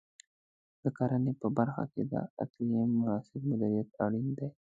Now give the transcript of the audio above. د کرنې په برخه کې د اقلیم مناسب مدیریت اړین دی.